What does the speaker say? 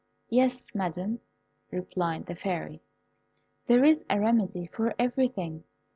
"Yes, Madam," replied the Fairy, "there is a remedy for everything.